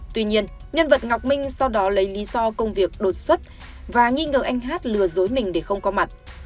tuy nhiên nhân vật ngọc minh sau đó lấy lý do công việc đột xuất và nghi ngờ anh hát lừa dối mình để không có mặt